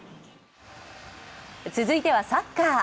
続いてはサッカー。